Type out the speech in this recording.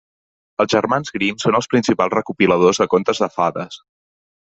Els Germans Grimm són els principals recopiladors de contes de fades.